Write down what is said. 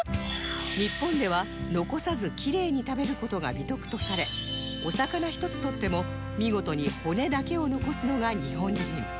日本では残さずきれいに食べる事が美徳とされお魚一つとっても見事に骨だけを残すのが日本人